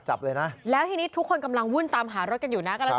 ใช่แล้วทีนี้ทุกคนกำลังวุ่นตามหารถกันอยู่นะครับ